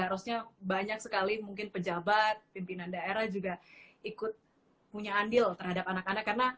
harusnya banyak sekali mungkin pejabat pimpinan daerah juga ikut punya andil terhadap anak anak